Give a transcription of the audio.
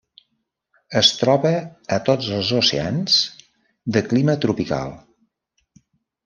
Es troba a tots els oceans de clima tropical.